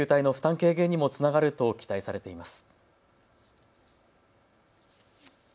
軽減にもつながると期待されています。